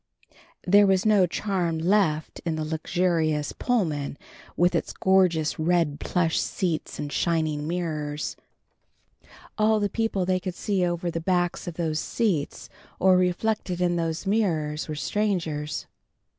There was no charm left in the luxurious Pullman with its gorgeous red plush seats and shining mirrors. All the people they could see over the backs of those seats or reflected in those mirrors were strangers.